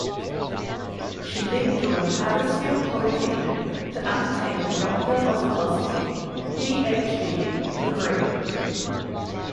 She then joined Huddersfield Polytechnic to undertake her Doctor of Philosophy (PhD) degree.